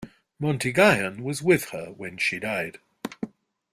Montguyon was with her when she died.